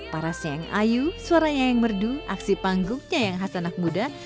parasnya yang ayu suaranya yang merdu aksi panggungnya yang khas anak muda